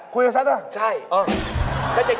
คุยกับฉันเหรอใช่เออ